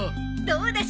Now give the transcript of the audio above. どうだ！